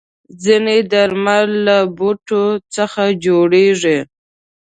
ځینې درمل له بوټو څخه جوړېږي.